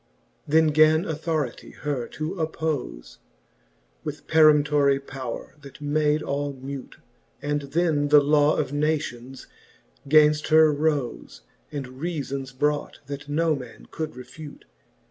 XLIV. Then gan Authority her to appofe With peremptorie powre^ that made all mute ; And then the Law of Nations gainft her rofe, And reafons brought, that no man could refute.